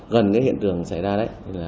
gần cái hiện trường xảy ra đấy